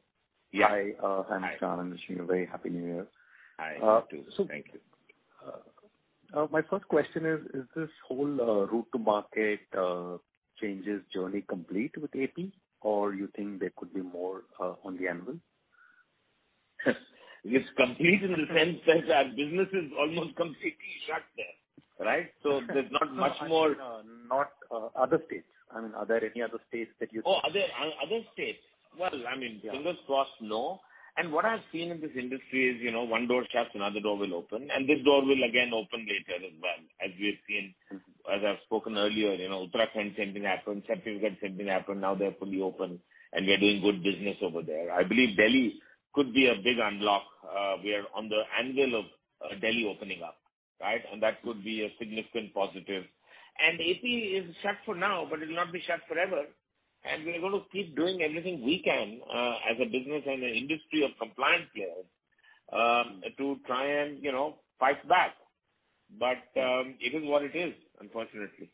Yeah. Hi. I'm Shah. I'm wishing you a very happy New Year. Hi. You too. So. Thank you. My first question is, is this whole route-to-market changes journey complete with AP, or you think there could be more on the anvil? It's complete in the sense that our business is almost completely shut there, right? So, there's not much more. Not other states? I mean, are there any other states that you think? Oh, other states? Well, I mean, fingers crossed, no. And what I've seen in this industry is one door shuts and another door will open. And this door will again open later as well, as we've seen. As I've spoken earlier, Uttarakhand, same thing happened. Chhattisgarh, same thing happened. Now they're fully open, and we're doing good business over there. I believe Delhi could be a big unlock. We are on the anvil of Delhi opening up, right? And that could be a significant positive. And AP is shut for now, but it'll not be shut forever. And we're going to keep doing everything we can as a business and an industry of compliance players to try and fight back. But it is what it is, unfortunately.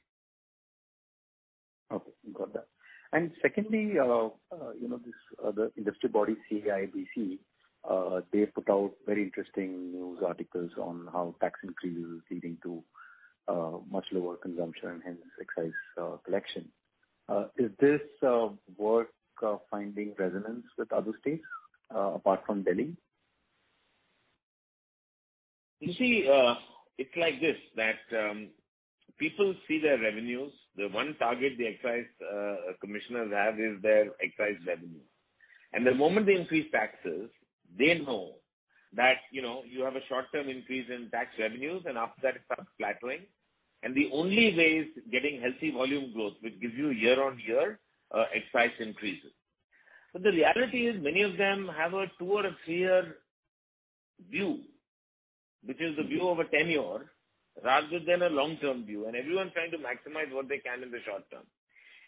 Okay. Got that. And secondly, this other industry body, CIABC, they put out very interesting news articles on how tax increase is leading to much lower consumption and hence excise collection. Is this work finding resonance with other states apart from Delhi? You see, it's like this that people see their revenues. The one target the excise commissioners have is their excise revenue. And the moment they increase taxes, they know that you have a short-term increase in tax revenues, and after that, it starts flattening. And the only way is getting healthy volume growth, which gives you year-on-year excise increases. But the reality is many of them have a two or a three-year view, which is the view of a tenure rather than a long-term view. And everyone's trying to maximize what they can in the short term.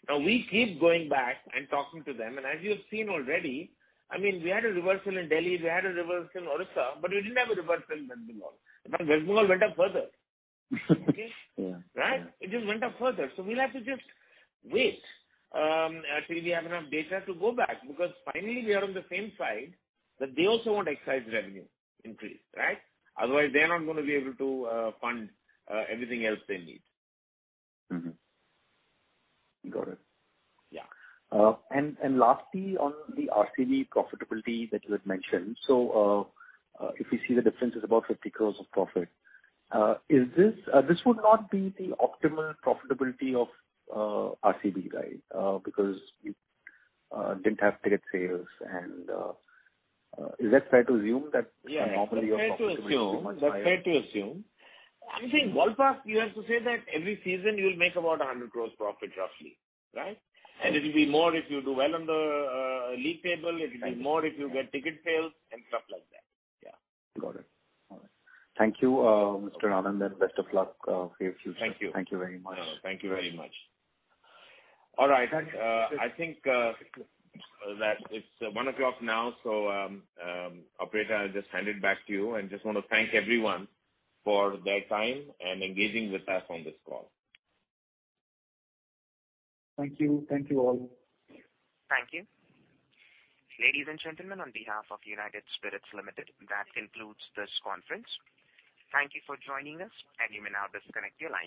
Now, we keep going back and talking to them. And as you've seen already, I mean, we had a reversal in Delhi. We had a reversal in Odisha, but we didn't have a reversal in West Bengal. In fact, West Bengal went up further, okay? Right? It just went up further. So, we'll have to just wait until we have enough data to go back because finally, we are on the same side that they also want excise revenue increase, right? Otherwise, they're not going to be able to fund everything else they need. Got it. Yeah. And lastly, on the RCB profitability that you had mentioned. So, if we see the difference is about 50 crore of profit, this would not be the optimal profitability of RCB, right? Because you didn't have ticket sales. And is that fair to assume that normally your profitability is much better? Yeah. That's fair to assume. I'm saying ballpark, you have to say that every season you'll make about 100 crore profit roughly, right? And it'll be more if you do well on the league table. It'll be more if you get ticket sales and stuff like that. Yeah. Got it. All right. Thank you, Mr. Anand. And best of luck for your future. Thank you. Thank you very much. Thank you very much. All right. I think that it's 1:00PM now. So, operator, I'll just hand it back to you and just want to thank everyone for their time and engaging with us on this call. Thank you. Thank you all. Thank you. Ladies and gentlemen, on behalf of United Spirits Limited, that concludes this conference. Thank you for joining us, and you may now disconnect the line.